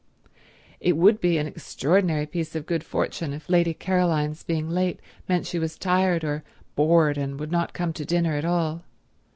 It would be an extraordinary piece of good fortune if Lady Caroline's being late meant she was tired or bored and would not come to dinner at all.